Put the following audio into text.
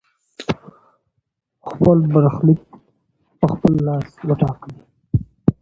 خپل برخليک په خپل لاس وټاکئ.